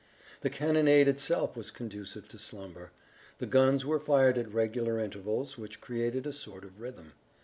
The cannonade itself was conducive to slumber. The guns were fired at regular intervals, which created a sort of rhythm.